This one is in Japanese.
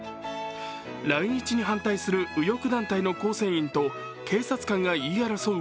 来日に反対する右翼団体の構成員と警察官が言い争う